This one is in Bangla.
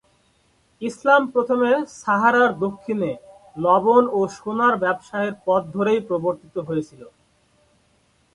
ইসলাম প্রথমে সাহারার দক্ষিণে লবণ ও সোনার ব্যবসায়ের পথ ধরেই প্রবর্তিত হয়েছিল।